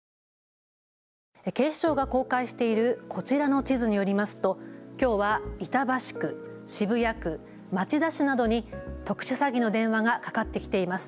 警視庁が公開しているこちらの地図によりますときょうは板橋区、渋谷区、町田市などに特殊詐欺の電話がかかってきています。